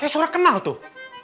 kayak suara kenal tuh